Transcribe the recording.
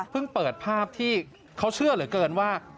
เปิดภาพที่เขาเชื่อเหลือเกินว่า